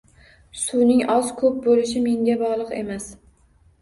Suvning oz-ko`p bo`lishi menga bog`liq emas